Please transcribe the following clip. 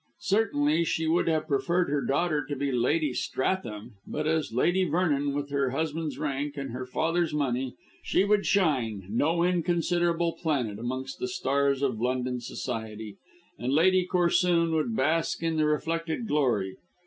Certainly she would have preferred her daughter to be Lady Stratham, but as Lady Vernon, with her husband's rank and her father's money, she would shine no inconsiderable planet amongst the stars of London society, and Lady Corsoon could bask in the reflected glory.